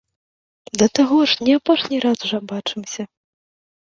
Да таго, ж не апошні раз жа бачымся.